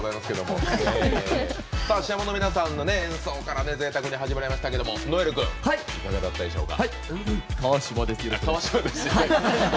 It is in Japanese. ＳＨＩＳＨＡＭＯの皆さんの演奏からぜいたくに始まりましたけど如恵留君いかがだったでしょうか？